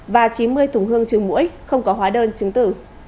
và chín mươi thùng hương chứa mũi không có hóa đơn chứng tử